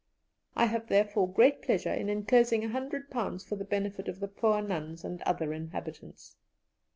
I have therefore great pleasure in enclosing £100 for the benefit of the poor nuns and other inhabitants.